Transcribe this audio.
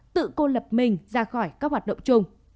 tự cô lập mình ra khỏi các hoạt động chung